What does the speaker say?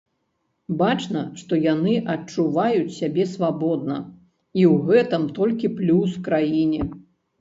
Бачна, што яны адчуваюць сябе свабодна, і ў гэтым толькі плюс краіне.